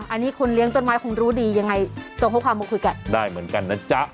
อันนี้คนเลี้ยงต้นไม้คงรู้ดียังไงส่งข้อความมาคุยกันได้เหมือนกันนะจ๊ะ